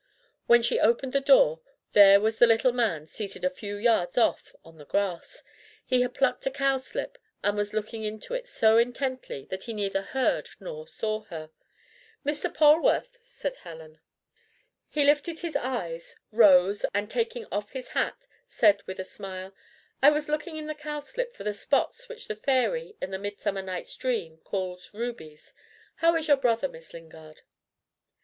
When she opened the door, there was the little man seated a few yards off on the grass. He had plucked a cowslip and was looking into it so intently that he neither heard nor saw her. "Mr. Polwarth!" said Helen. He lifted his eyes, rose, and taking off his hat, said with a smile, "I was looking in the cowslip for the spots which the fairy, in the Midsummer Night's Dream, calls 'rubies.' How is your brother, Miss Lingard?"